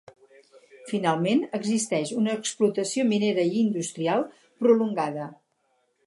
Finalment, existeix una explotació minera i industrial prolongada.